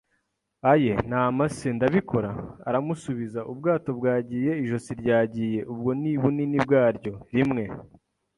“Aye, n'amase, ndabikora!” aramusubiza. “Ubwato bwagiye, ijosi ryagiye - ubwo ni bunini bwaryo. Rimwe